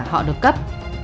họ được cấp